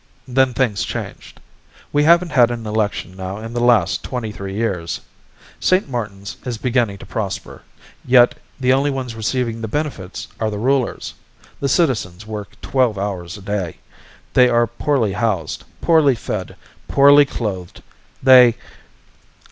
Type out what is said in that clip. Then things changed. We haven't had an election now in the last twenty three years. St. Martin's is beginning to prosper. Yet the only ones receiving the benefits are the rulers. The citizens work twelve hours a day. They are poorly housed, poorly fed, poorly clothed. They